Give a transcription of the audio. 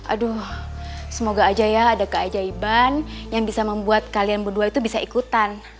aduh semoga aja ya ada keajaiban yang bisa membuat kalian berdua itu bisa ikutan